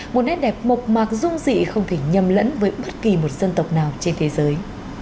một nét đẹp mộc mạc dung dị không thể nhầm lẫn với bất kỳ một dân tộc nào trên thế giới